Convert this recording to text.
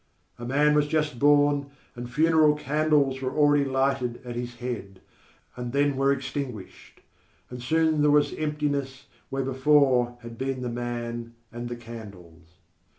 _A man was just born, and funeral candles were already lighted at his head, and then were extinguished; and soon there was emptiness where before had been the man and the candles.